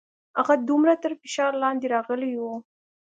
هغه دومره تر فشار لاندې راغلې وه.